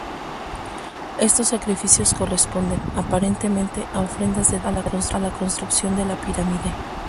Estos sacrificios corresponden, aparentemente, a ofrendas dedicadas a la construcción de la pirámide.